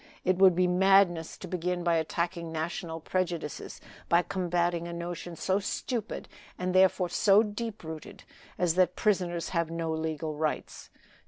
It would be madness to begin by attacking national prejudices, by combating a notion so stupid, and therefore so deep rooted, as that prisoners have no legal rights.